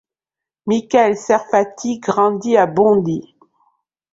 Mickael Serfati grandit à Bondy.